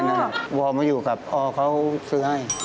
นั่นวอลมาอยู่กับอเขาซื้อให้